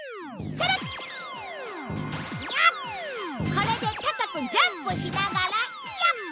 これで高くジャンプしながらよっ！